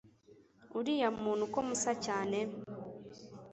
uriya muntu ko musa cyane